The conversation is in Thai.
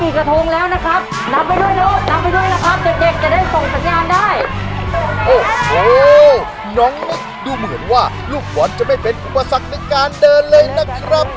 เด็กจะได้ส่งสัญญาณได้โอ้โหน้องนี่ดูเหมือนว่าลูกบอลจะไม่เป็นอุปสรรคในการเดินเลยนะครับ